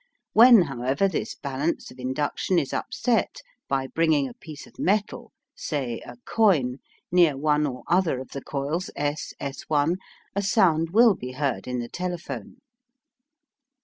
When, however, this balance of induction is upset by bringing a piece of metal say, a coin near one or other of the coils S S1, a sound will be heard in the telephone.